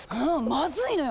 まずいのよ！